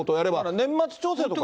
年末調整とか。